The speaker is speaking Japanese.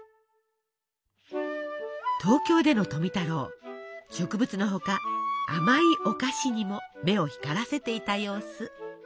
東京での富太郎植物の他甘いお菓子にも目を光らせていた様子。